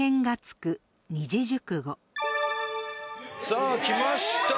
さあきました。